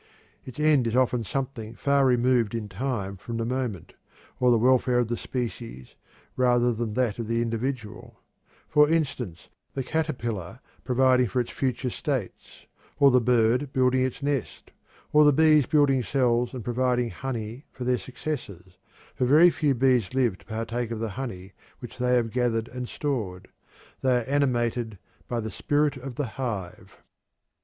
Its end is often something far removed in time from the moment, or the welfare of the species rather than that of the individual; for instance, the caterpillar providing for its future states, or the bird building its nest, or the bees building cells and providing honey for their successors, for very few bees live to partake of the honey which they have gathered and stored they are animated by "the spirit of the hive."